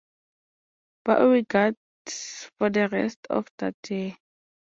Beauregard for the rest of that year.